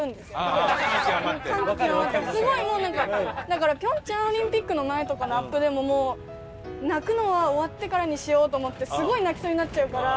だから平昌オリンピックの前とかのアップでももう泣くのは終わってからにしようと思ってすごい泣きそうになっちゃうから。